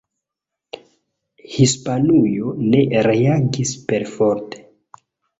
Hispanujo ne reagis perforte.